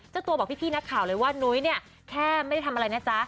เจ้าตัวบอกพี่นักข่าวเลยว่านุ้ยเนี่ยแค่ไม่ได้ทำอะไรนะจ๊ะ